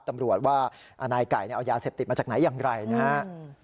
ตำรวจว่านายไก่เนี่ยเอายาเสพติมาจากไหนอย่างไรเนี้ยฮะ